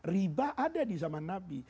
ribah ada di zaman nabi